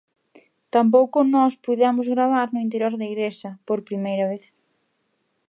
Tampouco nós puidemos gravar no interior da igrexa, por primeira vez.